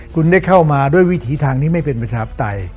คุณได้เข้ามาด้วยวิถีทางที่ไม่เป็นประชาปไตย